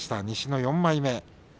西の４枚目。